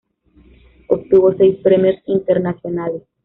Obtuvo seis premios internacionales.